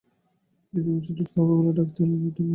কিছু মিষ্টি ও দুধ খাওয়াবে বলে ডাকতে এল মোতির মা।